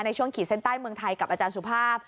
ขีดเส้นใต้เมืองไทยกับอาจารย์สุภาพ